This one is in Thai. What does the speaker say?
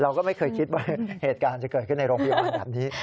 เราก็ไม่เคยคิดว่าเหตุการณ์จะเกิดขึ้นในโรงพยาบาลแบบนี้